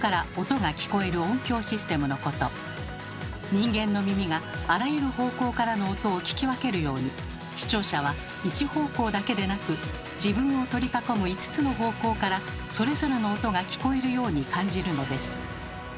人間の耳があらゆる方向からの音を聞き分けるように視聴者は１方向だけでなく自分を取り囲む５つの方向からそれぞれの音が聞こえるように感じるのです。